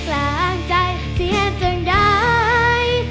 กลางใจเสียจนได้